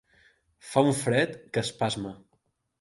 Fa un fred que espasma.